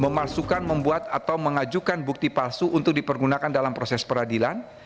memasukkan membuat atau mengajukan bukti palsu untuk dipergunakan dalam proses peradilan